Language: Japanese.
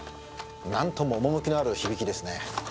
なんとも趣のある響きですね。